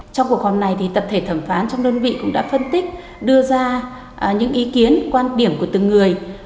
trong cuộc họp này thì tập thể thẩm phán trong đơn vị cũng đã phân tích đưa ra những ý kiến quan điểm của từng người